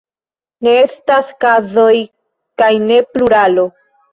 Ne estas kazoj kaj ne pluralo.